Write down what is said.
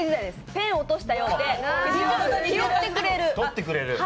ペン落としたよで、拾ってくれる。